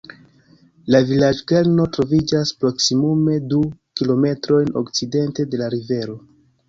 La vilaĝo-kerno troviĝas proksimume du kilometrojn okcidente de la rivero.